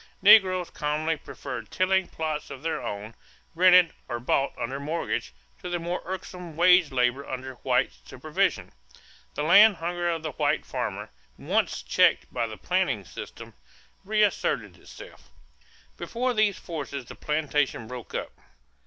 Negroes commonly preferred tilling plots of their own, rented or bought under mortgage, to the more irksome wage labor under white supervision. The land hunger of the white farmer, once checked by the planting system, reasserted itself. Before these forces the plantation broke up.